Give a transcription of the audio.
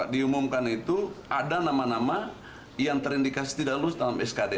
diumumkan itu ada nama nama yang terindikasi tidak lulus dalam skd